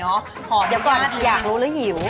ขออนุญาตเลยอยากรู้แล้วหิวขออนุญาตเลยอยากรู้แล้วหิว